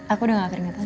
aku udah gak keringetan